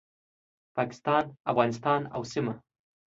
پاکستان، افغانستان او سیمه